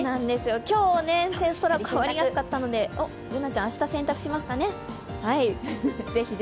今日、天気が変わりやすかったので、Ｂｏｏｎａちゃんは明日洗濯しますかね